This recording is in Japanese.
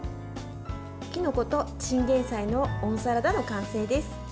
きのことチンゲンサイの温サラダの完成です。